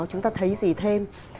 chúng ta thấy gì thêm